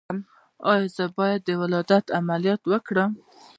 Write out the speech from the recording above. ایا زه باید د ولادت عملیات وکړم؟